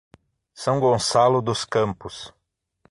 São Gonçalo dos Campos